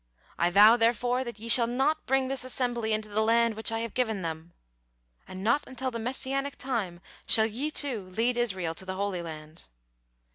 I vow, therefore, that 'ye shall not bring this assembly into the land which I have given them,' and not until the Messianic time shall ye two lead Israel to the Holy Land."